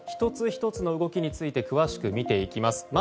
１つ１つの動きについて詳しく見ていきます。